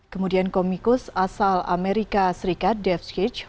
kemudian komikus asal amerika serikat dev skitch